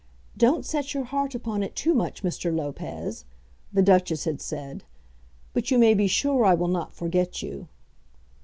"Don't set your heart upon it too much, Mr. Lopez," the Duchess had said; "but you may be sure I will not forget you."